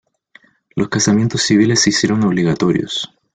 Los casamientos civiles se hicieron obligatorios.